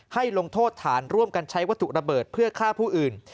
ลงโทษฐานร่วมกันใช้วัตถุระเบิดเพื่อฆ่าผู้อื่น